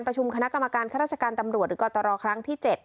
คณะกรรมการข้าราชการตำรวจหรือกตรครั้งที่๗